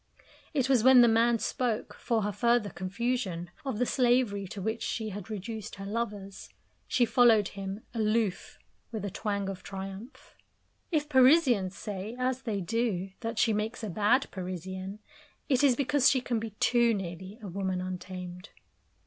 It was when the man spoke, for her further confusion, of the slavery to which she had reduced her lovers; she followed him, aloof, with a twang of triumph. If Parisians say, as they do, that she makes a bad Parisienne, it is because she can be too nearly a woman untamed.